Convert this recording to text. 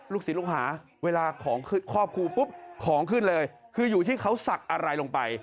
ศิลปลูกหาเวลาของขึ้นครอบครูปุ๊บของขึ้นเลยคืออยู่ที่เขาศักดิ์อะไรลงไป